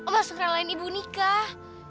masukkan lain ibu nikah